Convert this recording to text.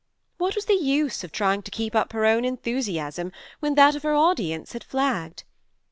What was the use of trying to keep up her own enthusiasm when that of her audience had flagged?